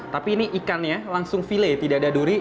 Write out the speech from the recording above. tapi ini ikannya langsung file tidak ada duri